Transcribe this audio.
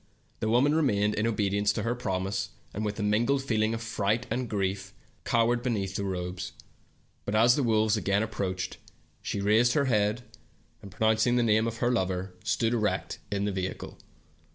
The woman remained, in obedience to her promise, and with a mingled feel ing of fright and grief cowered beneath the robes. But as the wolves again approached, she raised her head, and pronouncing the name of her lover, stood erect in the vehicle.